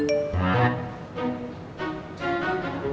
atau tentang angkatan catur kecil